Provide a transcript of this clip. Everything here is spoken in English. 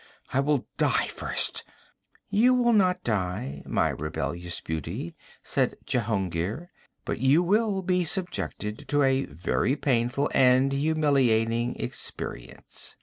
'I will die first!' 'You will not die, my rebellious beauty,' said Jehungir, 'but you will be subjected to a very painful and humiliating experience.'